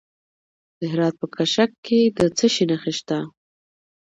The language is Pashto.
د هرات په کشک کې د څه شي نښې دي؟